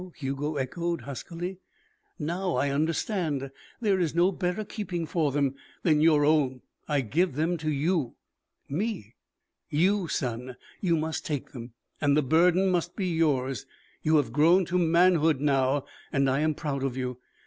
Hugo echoed huskily. "Now I understand. There is no better keeping for them than your own. I give them to you." "Me!" "You, son. You must take them, and the burden must be yours. You have grown to manhood now and I am proud of you.